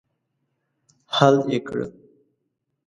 حل یې کړه.